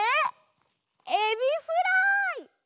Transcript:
エビフライ！